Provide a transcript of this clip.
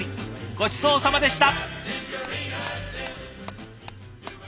ごちそうさまでした。